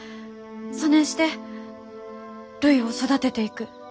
そねんしてるいを育てていく。